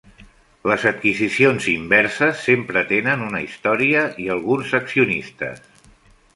Les adquisicions inverses sempre tenen una història i alguns accionistes.